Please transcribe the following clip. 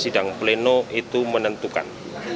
sidang pleno itu menentukan